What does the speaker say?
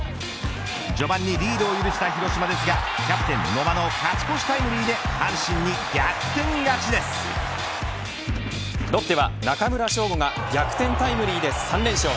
序盤にリードを許した広島ですがキャプテン野間の勝ち越しタイムリーでロッテは中村奨吾が逆転タイムリーで３連勝。